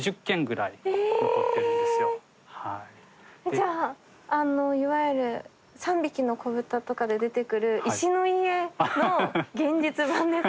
じゃあいわゆる「三匹のこぶた」とかで出てくる石の家の現実版ですか？